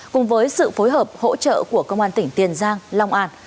cùng với sự phối hợp hỗ trợ của công an tỉnh tiền giang long an